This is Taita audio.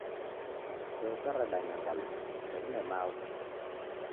Choka radanyangaluka, nderine maghu.